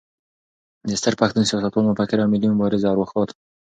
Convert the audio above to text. د ستر پښتون، سیاستوال، مفکر او ملي مبارز ارواښاد